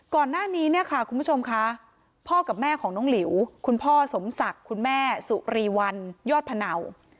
ก่อนหน้านี้เนี่ยค่ะคุณผู้ชมค่ะพ่อกับแม่ของน้องหลิวคุณพ่อสมศักดิ์คุณแม่สุรีวันยอดพะเนา